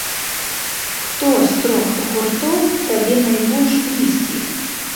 Хто з трох гуртоў табе найбольш блізкі?